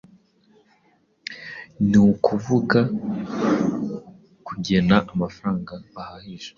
Ni ukuvuga, kugena amafaranga bahahisha,